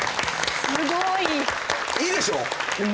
すごいいいでしょ？